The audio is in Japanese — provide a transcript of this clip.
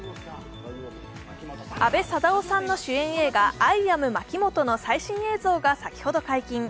阿部サダヲさん主演の映画「アイ・アムまきもと」の最新映像が先ほど解禁。